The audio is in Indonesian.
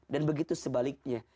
dan begitu sebaliknya